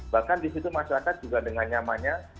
bahkan di situ masyarakat juga dengan nyamanya